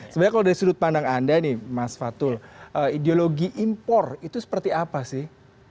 sebenarnya kalau dari sudut pandang anda nih mas fatul ideologi impor itu seperti apa sih